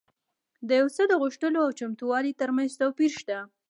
د یو څه د غوښتلو او چمتووالي ترمنځ توپیر شته